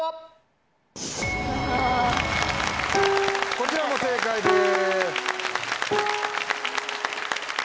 こちらも正解です。